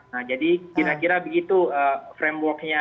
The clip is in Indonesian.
nah jadi kira kira begitu framework nya